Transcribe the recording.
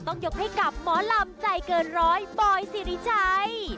ต้องยกให้กับหมอลำใจเกินร้อยปอยสิริชัย